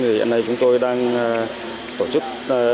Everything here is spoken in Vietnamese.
thì hiện nay chúng tôi đang tổ chức